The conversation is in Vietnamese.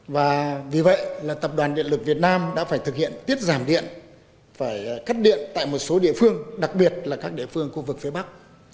và vì vậy là tập đoàn điện lực việt nam đã phải thực hiện tiết giảm điện phải cắt điện tại một số địa phương đặc biệt là các địa phương khu vực phía bắc